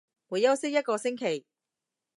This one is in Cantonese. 會休息一個星期